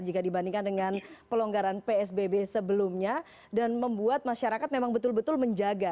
jika dibandingkan dengan pelonggaran psbb sebelumnya dan membuat masyarakat memang betul betul menjaga